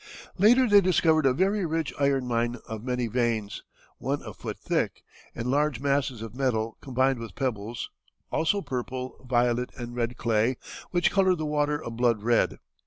Later they discovered a very rich iron mine of many veins, one a foot thick, and large masses of metal combined with pebbles; also purple, violet, and red clay, which colored the water a blood red.